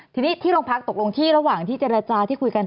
ทีนี้ที่โรงพักตกลงที่ระหว่างที่เจรจาที่คุยกัน